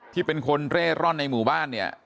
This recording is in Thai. ที่เป็นคนเร่ร่อนในหมู่บ้านเนี่ย